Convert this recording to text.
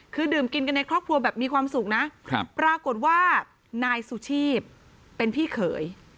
คือดื่มกินกันในครอบครัวแบบมีความสุขนะปรากฏว่านายสุชีพเป็นพี่เขย